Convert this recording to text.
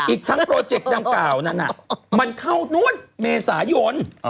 อีกทั้งโปรเจกต์ดังกล่าวนั้นมันเข้านู่นเมษายน